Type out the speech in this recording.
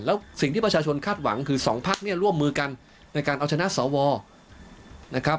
แล้วสิ่งที่ประชาชนคาดหวังคือสองพักเนี่ยร่วมมือกันในการเอาชนะสวนะครับ